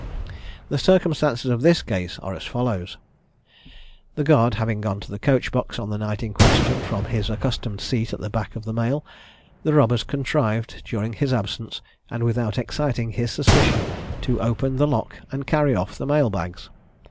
The circumstances of this case are as follow: The guard having gone to the coach box on the night in question from his accustomed seat at the back of the mail, the robbers contrived during his absence, and without exciting his suspicion, to open the lock, and carry off the mail bags.